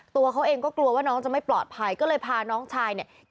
ตัวเขาเองก็กลัวว่าน้องจะไม่ปลอดภัยก็เลยพาน้องชายเนี่ย